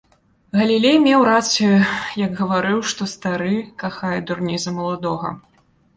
Галілей меў рацыю, як гаварыў, што стары кахае дурней за маладога.